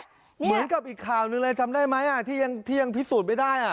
เหมือนกับอีกข่าวหนึ่งเลยจำได้ไหมที่ยังพิสูจน์ไม่ได้